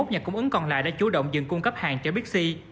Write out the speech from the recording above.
ba mươi một nhà cung ứng còn lại đã chủ động dừng cung cấp hàng cho bixi